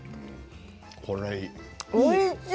これいい。